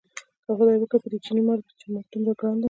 که خدای وکړ په دې چیني چې مال دومره ګران دی.